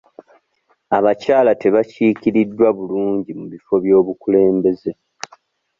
Abakyala tebakiikiriddwa bulungi mu bifo by'obukulembeze.